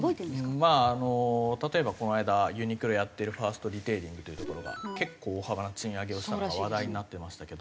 まああの例えばこの間ユニクロをやってるファーストリテイリングというところが結構大幅な賃上げをしたのが話題になってましたけど。